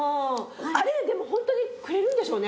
あれでもホントにくれるんでしょうね？